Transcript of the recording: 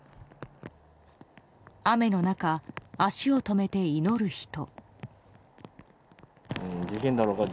雨の中、足を止めて祈る人。